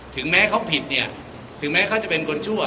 ถึงแม้เขาผิดเนี่ยถึงแม้เขาจะเป็นคนชั่ว